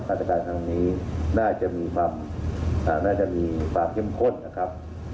ราชการครั้งนี้น่าจะมีความน่าจะมีความเข้มข้นนะครับ